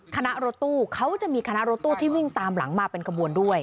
คณะรถตู้เขาจะมีคณะรถตู้ที่วิ่งตามหลังมาเป็นขบวนด้วย